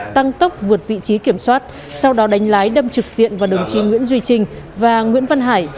tăng tốc vượt vị trí kiểm soát sau đó đánh lái đâm trực diện vào đồng chí nguyễn duy trinh và nguyễn văn hải